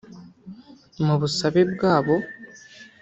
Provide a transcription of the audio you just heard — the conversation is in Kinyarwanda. Mu busabe bwabo